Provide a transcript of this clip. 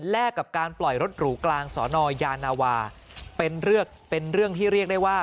แลกกับการปล่อยรถหรูกลางสอนอยานาวาเป็นเรื่องที่เรียกได้ว่า